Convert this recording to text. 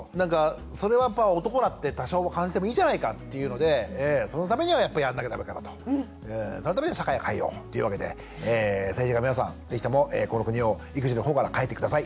それは男だって多少感じてもいいじゃないかっていうのでそのためにはやっぱりやんなきゃダメかなとそのためには社会を変えようっていうわけで政治家の皆さん是非ともこの国を育児のほうから変えて下さい。